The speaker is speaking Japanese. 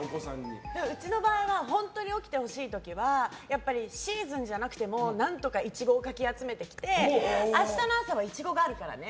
うちの場合は本当に起きてほしい時はシーズンじゃなくても何とかイチゴをかき集めてきて明日の朝はイチゴがあるからね。